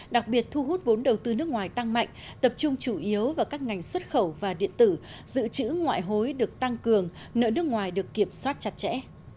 đặc biệt thu hút vốn đầu tư nước ngoài tăng mạnh tập trung chủ yếu vào các ngành xuất khẩu và điện tử dự trữ ngoại hối được tăng cường nợ nước ngoài được kiểm soát chặt chẽ